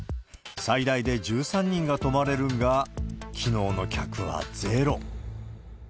最大で１３人が泊まれるが、きのうの客はゼロ。